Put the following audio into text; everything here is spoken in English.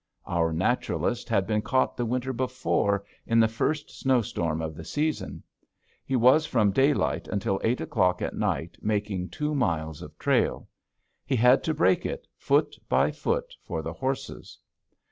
Our naturalist had been caught the winter before in the first snowstorm of the season. He was from daylight until eight o'clock at night making two miles of trail. He had to break it, foot by foot, for the horses.